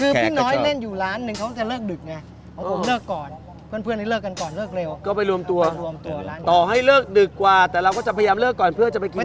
คือพี่น้อยเล่นอยู่ล้านหนึ่งเขาจะเลิกดึกไง